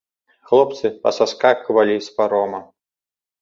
Хлопцы пасаскаквалі з парома.